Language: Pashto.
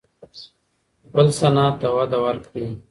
خپل صنعت ته وده ورکړئ.